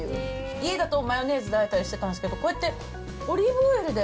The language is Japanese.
家だとマヨネーズであえたりしてたんですけど、こうやってオリーブオイルで。